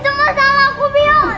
ini semua salah aku biong